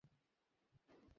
ইনেস, আমাকে একটু যেতে হবে।